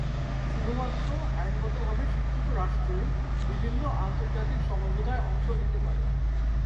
শুধুমাত্র আইনগতভাবে স্বীকৃত রাষ্ট্রই বিভিন্ন আন্তর্জাতিক সমঝোতায় অংশ নিতে পারে।